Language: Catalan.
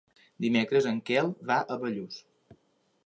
Dimecres en Quel va a Bellús.